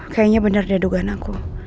kayaknya benar deh dugaan aku